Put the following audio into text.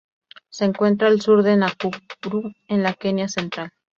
Se encuentra al sur de Nakuru, en la Kenia central.